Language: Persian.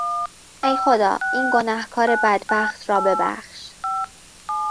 ای خدا این گنهکار بدبخت را ببخش!